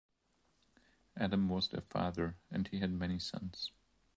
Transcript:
Adam was their father, and he had many sons.